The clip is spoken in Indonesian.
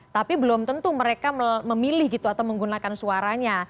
tapi belum tentu mereka memilih gitu atau menggunakan suaranya